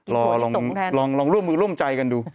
ลองร่วมมือร่วมใจกันดู